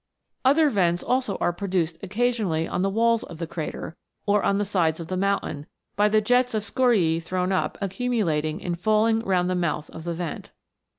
Other vents also are pro duced occasionally on the walls of the crater, or on the sides of the mountain, by the jets of scoriae thrown up accumulating in falling round the mouth of the vent.